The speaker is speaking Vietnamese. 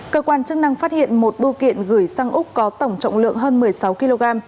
cơ quan chức năng phát hiện một bưu kiện gửi sang úc có tổng trọng lượng hơn một mươi sáu kg